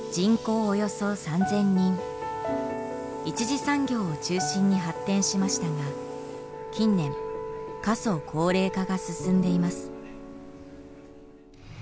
１次産業を中心に発展しましたが近年過疎・高齢化が進んでいます。